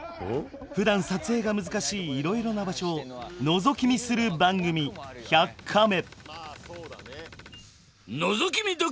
ふだん撮影が難しいいろいろな場所をのぞき見する番組「１００カメ」。